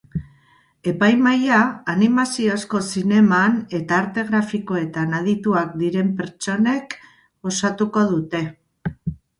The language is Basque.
Epaimahaia animaziozko zineman eta arte grafikoetan adituak diren pertsonek osatuko dute.